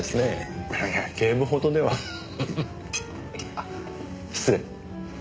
あっ失礼。